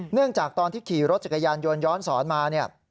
เนื่องจากตอนที่ขี่รถจักรยานโยนย้อนสอนมาเนี่ย